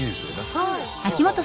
はい。